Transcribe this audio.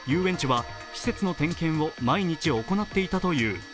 遊園地は施設の点検を毎日行っていたという。